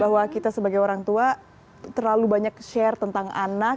bahwa kita sebagai orang tua terlalu banyak share tentang anak